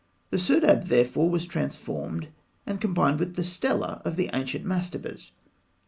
The serdab, therefore, was transformed, and combined with the stela of the ancient mastabas.